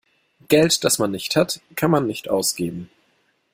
Geld, das man nicht hat, kann man nicht ausgeben.